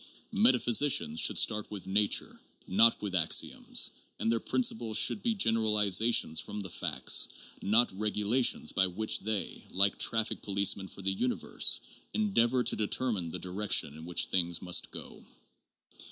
Metaphysicians should start with na ture, not with axioms ; and their principles should be generalizations from the facts, not regulations by which they, like traffic police men for the universe, endeavor to determine the directions in which things must go.